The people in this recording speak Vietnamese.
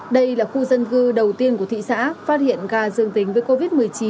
đây là khu dân cư đầu tiên của thị xã phát hiện ca dương tính với covid một mươi chín